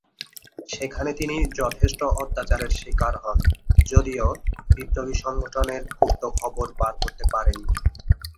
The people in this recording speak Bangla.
সেখানে তিনি যথেচ্ছ অত্যাচারের শিকার হন যদিও বিপ্লবী সংগঠনের গুপ্ত খবর বার করতে পারেনি।